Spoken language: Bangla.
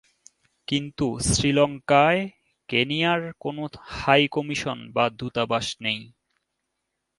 কিন্তু, শ্রীলঙ্কায় কেনিয়ার কোন হাই কমিশন বা দূতাবাস নেই।